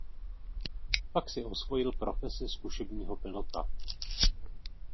Pak si osvojil profesi zkušebního pilota.